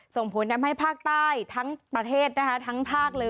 ส่งผลทำให้ภาคใต้ทั้งประเทศนะคะทั้งภาคเลย